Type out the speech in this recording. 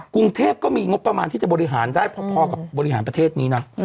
กรุงเทพก็มีงบประมาณที่จะบริหารได้พอกับบริหารประเทศนี้นะ